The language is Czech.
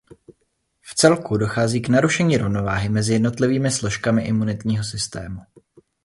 V celku dochází k narušení rovnováhy mezi jednotlivými složkami imunitního systému.